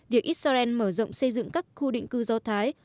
việc israel mở rộng xây dựng các khu định cư do thái